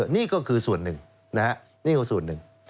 นี่ก็คือส่วนหนึ่ง